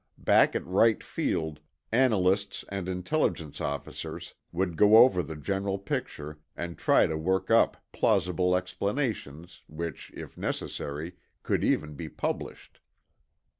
Back at Wright Field, analysts and Intelligence officers would go over the general picture and try to work up plausible explanations, which, if necessary, could even be published.